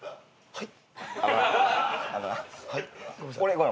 はい。